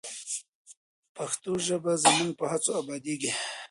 پښتو ژبه زموږ په هڅو ابادیږي.